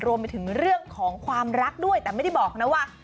รวมไปถึงเรื่องของความรักด้วยแต่ไม่ได้บอกนะว่า